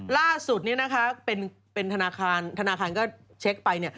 ล่าสุดนี้นะคะธนาคารก็เช็คไป